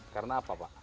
karena apa pak